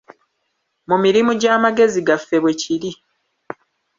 Mu mirimu gy'amagezi gaffe bwe kiri.